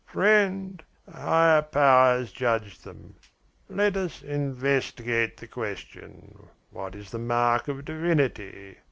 "Friend, a higher power has judged them. Let us investigate the question. What is the mark of divinity?